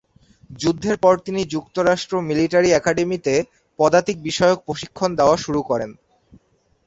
যুদ্ধের পর তিনি যুক্তরাষ্ট্র মিলিটারি একাডেমীতে পদাতিক বিষয়ক প্রশিক্ষণ দেওয়া শুরু করেন।